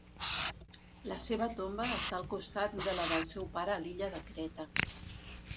La seva tomba està al costat de la del seu pare a l'illa de Creta.